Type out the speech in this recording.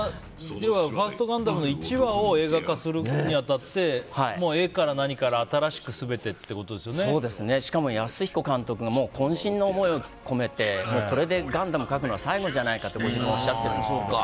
要はファーストガンダムの１話を映画化するに当たって絵から何から、新しくしかも監督が渾身の思いを込めてこれでガンダム書くのは最後じゃないかとご自分でおっしゃってるんです。